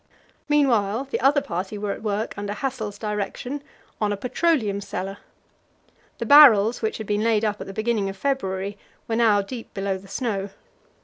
Meanwhile the other party were at work under Hassel's direction on a petroleum cellar. The barrels which had been laid up at the beginning of February were now deep below the snow.